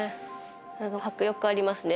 迫力ありますね。